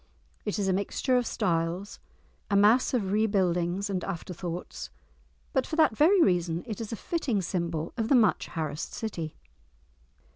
It is a mixture of styles, a mass of re buildings and afterthoughts, but for that very reason it is a fitting symbol of the much harassed city.